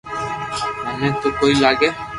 مني تو ڪوئي لاگي